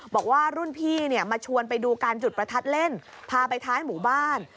บอกว่ารุ่นพี่มาชวนไปดูการจุดประทัดเล่นพาไปท้ายหมู่บ้าน